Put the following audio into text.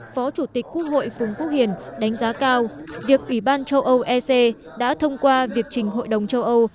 phó chủ tịch quốc hội phùng quốc hiền đánh giá cao việc ủy ban châu âu ec đã thông qua việc trình hội đồng châu âu